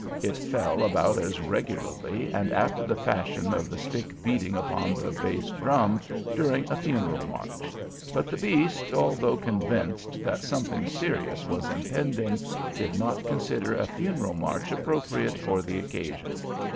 It fell about as regularly and after the fashion of the stick beating upon the bass drum during a funeral march. But the beast, although convinced that something serious was impending, did not consider a funeral march appropriate for the occasion.